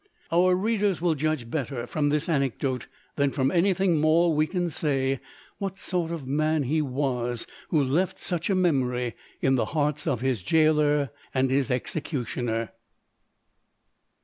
Our readers will judge better from this anecdote than from anything more we could say, what sort of man he was who left such a memory in the hearts of his gaoler and his executioner.